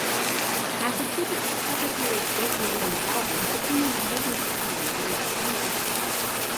Massachusetts Secretary of State William Galvin subpoenaed Morgan Stanley over the same issue.